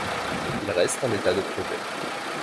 Il reste en l'état de projet.